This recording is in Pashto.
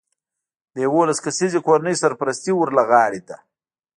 د یولس کسیزې کورنۍ سرپرستي ور له غاړې ده